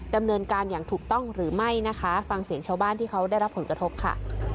ดำเนินการอย่างถูกต้องหรือไม่นะคะฟังเสียงชาวบ้านที่เขาได้รับผลกระทบค่ะ